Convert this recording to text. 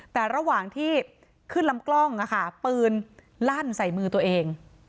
แต่ระหว่างที่ขึ้นลำกล้องปืนลั่นใส่มือตัวเอง